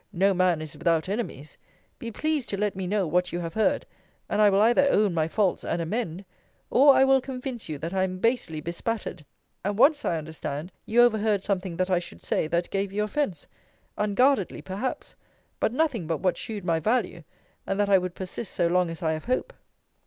No man is without enemies. Be pleased to let me know what you have heard, and I will either own my faults, and amend; or I will convince you that I am basely bespattered: and once I understand you overheard something that I should say, that gave you offence: unguardedly, perhaps; but nothing but what shewed my value, and that I would persist so long as I have hope.